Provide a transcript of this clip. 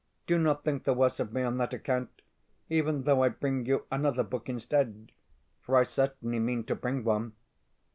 Do not think the worse of me on that account, even though I bring you another book instead (for I certainly mean to bring one).